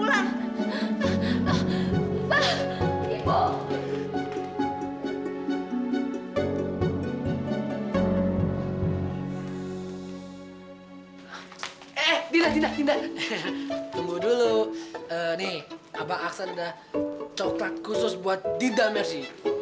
eh tidak tidak tidak tunggu dulu nih abang aksan dah coklat khusus buat dida mersi